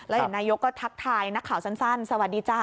แล้วเห็นนายกก็ทักทายนักข่าวสั้นสวัสดีจ้า